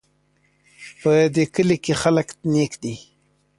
په دې کلي کې خلک نیک دي